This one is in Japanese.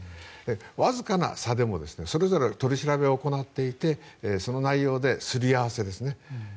わずかな差でもそれぞれ、取り調べを行ってその内容で、すり合わせですね。